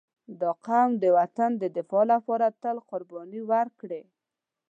• دا قوم د وطن د دفاع لپاره تل قرباني ورکړې.